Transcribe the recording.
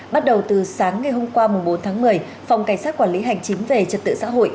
bắt đầu từ sáng ngày hôm qua bốn tháng một mươi phòng cảnh sát quản lý hành chính về trật tự xã hội